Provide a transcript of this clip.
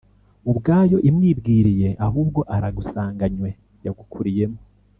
ubwayo imwibwiriye ahubwo aragusanganywe, yagukuriyemo.